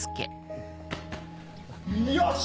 よし！